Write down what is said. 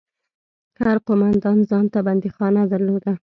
هر قومندان ځان ته بنديخانه درلوده.